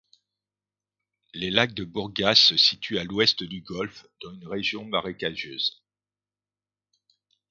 Les lacs de Bourgas se situent à l'ouest du golfe, dans une région marécageuse.